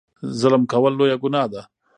ظلم کول لویه ګناه ده.